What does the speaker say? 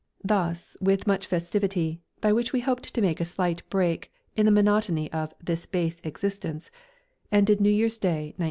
Thus, with much festivity, by which we hoped to make a slight break in the monotony of "this Base existence," ended New Year's Day, 1916.